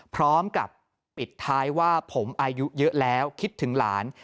พร้อมกับปิดท้ายว่าผมอายุเยอะแล้วคิดถึงหลาน